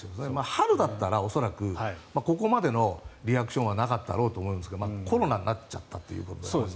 春だったら恐らくここまでのリアクションもなかったでしょうけどコロナになっちゃったということで。